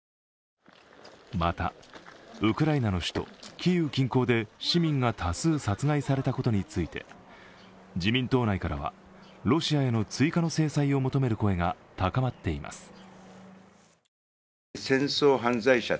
また、ウクライナの首都キーウ近郊で市民が多数殺害されたことについて自民党内からは、ロシアへの追加の制裁を求める声が高まっています。